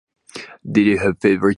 Did you have favorite?